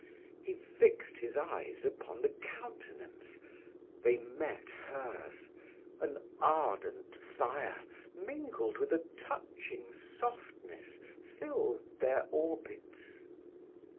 He fixed his eyes upon the countenance they met hers an ardent fire, mingled with a touching softness, filled their orbits.